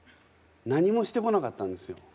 何もしてこなかったんですよ。